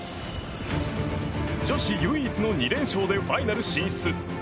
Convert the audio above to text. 女子唯一の２連勝でファイナル進出。